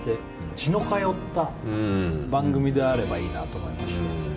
血の通った番組であればいいなと思います。